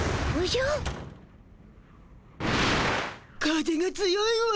風が強いわ。